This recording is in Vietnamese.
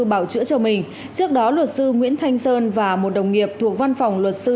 bảo chữa cho mình trước đó luật sư nguyễn thanh sơn và một đồng nghiệp thuộc văn phòng luật sư